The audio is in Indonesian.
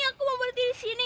aku mau berdiri di sini